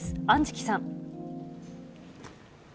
安食さん。